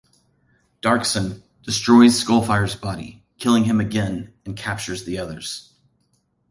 Darkson destroys Skullfire's body, killing him again and captures the others.